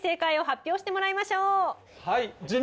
はい。